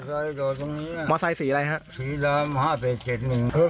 มอเตอร์ไซค์ตรงนี้มอเตอร์ไซค์สีอะไรครับสีล้ำห้าเป็นเจ็ดหนึ่ง